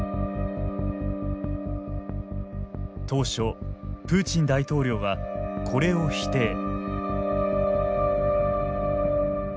当初プーチン大統領はこれを否定。